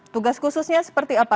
tugas khususnya seperti apa